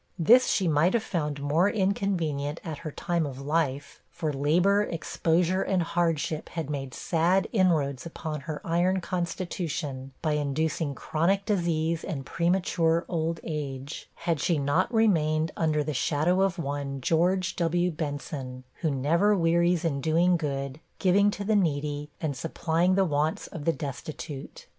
This she might have found more inconvenient at her time of life for labor, exposure, and hardship had made sad inroads upon her iron constitution, by inducing chronic disease and premature old age had she not remained under the shadow of one,* who never wearies in doing good, giving to the needy, and supplying the wants of the destitute.